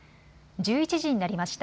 １１時になりました。